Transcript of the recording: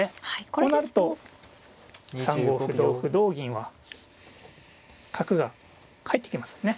こうなると３五歩同歩同銀は角がかえってきますね。